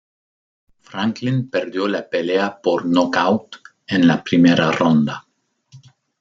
Franklin perdió la pelea por nocaut en la primera ronda.